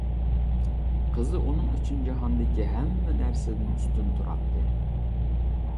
قىزى ئۇنىڭ ئۈچۈن جاھاندىكى ھەممە نەرسىدىن ئۈستۈن تۇراتتى.